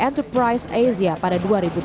dari enterprise asia pada dua ribu delapan